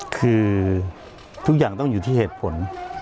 คือทุกอย่างต้องอยู่ที่เหตุผล